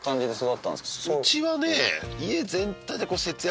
うちはね。